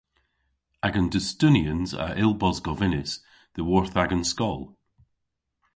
Agan dustunians a yll bos govynnys dhyworth agan skol.